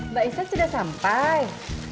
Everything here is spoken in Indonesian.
mbak iset sudah sampai